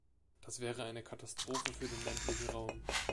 Das wäre eine Katastrophe für den ländlichen Raum.